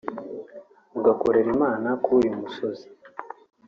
mugakorera Imana kuri uyu musozi